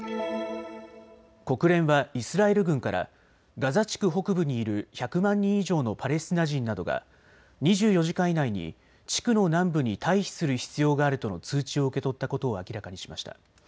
国連はイスラエル軍からガザ地区北部にいる１００万人以上のパレスチナ人などが２４時間以内に地区の南部に退避する必要があるとの通知を受け取ったことを明らかにしました。